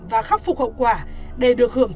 và khắc phục hậu quả để được hưởng